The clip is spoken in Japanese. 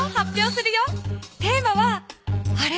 テーマはあれ？